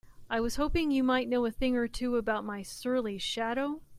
I was hoping you might know a thing or two about my surly shadow?